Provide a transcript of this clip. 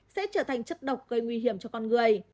sẽ trở thành chất độc gây nguy hiểm cho con người